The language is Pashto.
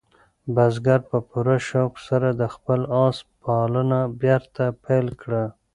بزګر په پوره شوق سره د خپل آس پالنه بېرته پیل کړه.